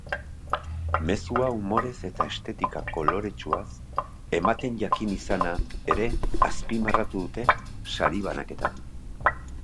Mezua umorez eta estetika koloretsuaz ematen jakin izana ere azpimarratu dute sari banaketan.